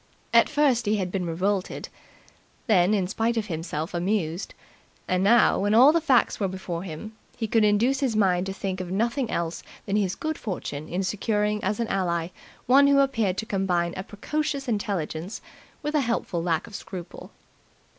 At first he had been revolted, then, in spite of himself, amused, and now, when all the facts were before him, he could induce his mind to think of nothing else than his good fortune in securing as an ally one who appeared to combine a precocious intelligence with a helpful lack of scruple.